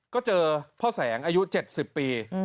ก็เจอพ่อแสงอายุ๗๐ปี